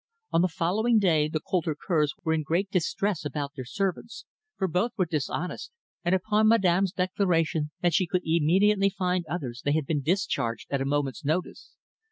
On the following day the Coulter Kerrs were in great distress about their servants, for both were dishonest, and upon Madame's declaration that she could immediately find others they had been discharged at a moment's notice.